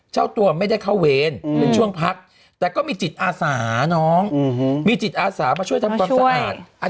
เจ้าตัวไม่ได้เข้าเวรเป็นช่วงพักแต่ก็มีจิตอาสาน้องมีจิตอาสามาช่วยทำความสะอาด